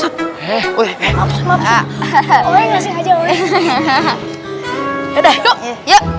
yaudah yuk yuk